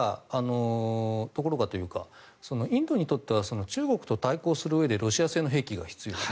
ところがインドにとっては中国と対抗するうえでロシア製の兵器が必要。